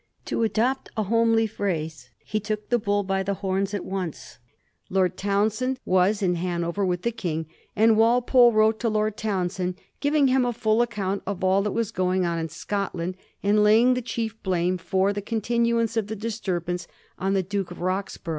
To adopt a homely phrase, he ^ took the bull by the horns ' at once. Lord Townshend was in Hanover with the King, and Walpole wrote to Lord Townshend, giving him a full axjcount of all that was going on in Scotland, and laying the chief blame for the continuance of the disturbance on the Duke of Digiti zed by Google 328 A HISTORY OF THE FOUR GEORGES, ch.